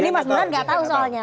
ini mas benar gak tahu soalnya